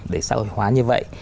để xã hội hóa như vậy